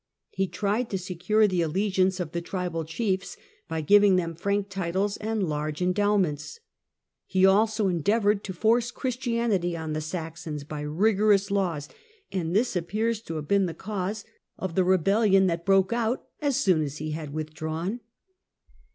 He tried to secure the allegiance of the tribal chiefs by giving them Frank titles and large endowments. He also en deavoured to force Christianity on the Saxons by rigorous laws, and this appears to have been the cause of the re bellion that broke out as soon as he had withdrawn.